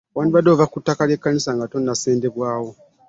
Wandibadde ova ku ttaka ly'ekkanisa nga tonnasindiikirizibwa.